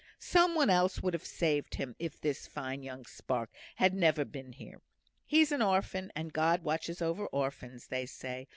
"Some one else would have saved him, if this fine young spark had never been near. He's an orphan, and God watches over orphans, they say.